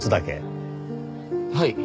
はい。